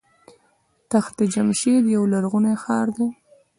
تخت جمشید یو لرغونی ښار دی.